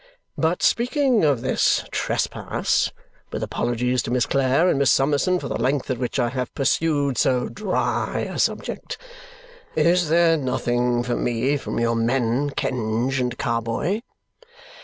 But speaking of this trespass with apologies to Miss Clare and Miss Summerson for the length at which I have pursued so dry a subject is there nothing for me from your men Kenge and Carboy?"